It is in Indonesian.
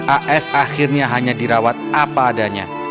af akhirnya hanya dirawat apa adanya